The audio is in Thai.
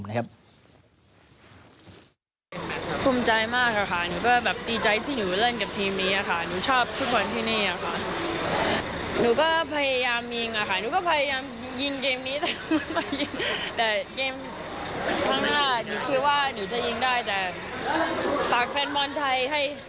ยินว่าประตูแชร์กลับมาสำรวจตั้งรอบไม่ได้